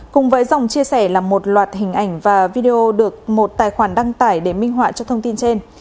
cùng với dòng chia sẻ là một loạt hình ảnh và video được một tài khoản đăng tải để minh họa cho thông tin trên